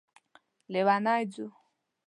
لیونی ځو